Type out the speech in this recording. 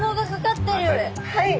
はい！